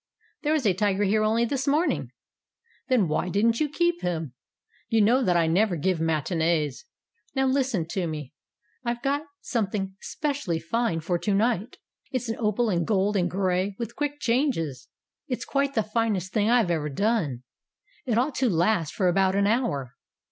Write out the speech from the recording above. "There was a tiger here only this morning." "Then why didn't you keep him? You know that I never give matinees. Now listen to me. I've some thing specially fine for to night. It's an opal and gold and gray, with quick changes. It's quite the finest thing I've ever done. It ought to last for about an hour.